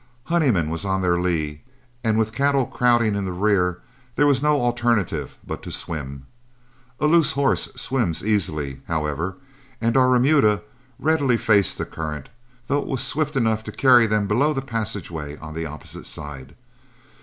Honeyman was on their lee, and with the cattle crowding in their rear, there was no alternative but to swim. A loose horse swims easily, however, and our remuda readily faced the current, though it was swift enough to carry them below the passageway on the opposite side.